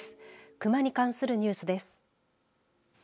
熊に関するニュースです。